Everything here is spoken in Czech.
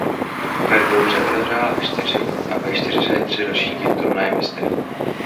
Ve dvouhře odehrála čtyři a ve čtyřhře tři ročníky Turnaje mistryň.